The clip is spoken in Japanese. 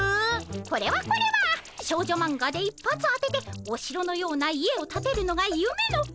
これはこれは少女マンガで一発当てておしろのような家をたてるのがゆめのうすいさちよさま。